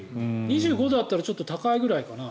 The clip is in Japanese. ２５度あったらちょっと高いぐらいかな。